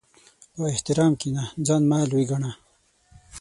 په احترام کښېنه، ځان مه لوی ګڼه.